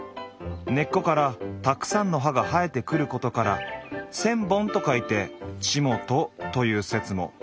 根っこからたくさんの葉が生えてくることから「千本」と書いて「ちもと」という説も。